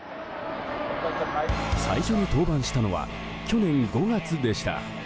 最初に登板したのは去年５月でした。